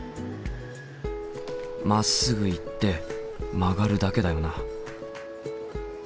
まっすぐ行って曲がるだけだよな